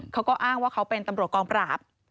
เขาก็อ้างว่าเขาเป็นตำรวจกองปราบ